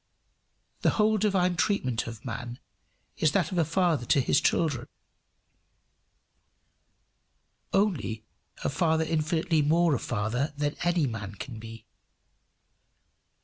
The whole divine treatment of man is that of a father to his children only a father infinitely more a father than any man can be.